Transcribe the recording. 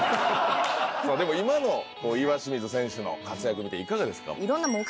でも今の岩清水選手の活躍見ていかがですか？